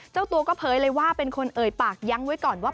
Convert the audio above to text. เจ้าตัวก็เผยเลยว่าเป็นคนเอ่ยปากยั้งไว้ก่อนว่า